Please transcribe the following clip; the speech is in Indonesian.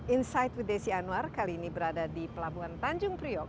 insight with desi anwar kali ini berada di pelabuhan tanjung priok